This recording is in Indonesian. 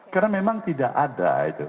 karena memang tidak ada itu